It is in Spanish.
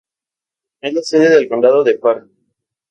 Es la sede del condado de Park.